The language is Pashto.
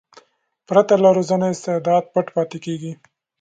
پرته له روزنې استعداد پټ پاتې کېږي.